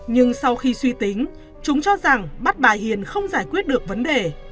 nhưng sau khi suy tính chúng cho rằng bắt bà hiền không giải quyết được vấn đề